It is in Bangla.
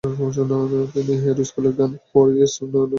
তিনি হ্যারো স্কুলের গান "ফোরটি ইয়ার্স অন" এর লেখক ছিলেন।